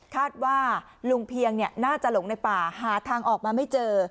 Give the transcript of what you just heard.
คาดว่าลุงเพียงน่าจะหลงในป่าหาทางออกมาไม่เจอ